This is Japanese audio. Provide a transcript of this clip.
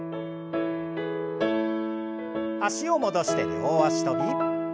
脚を戻して両脚跳び。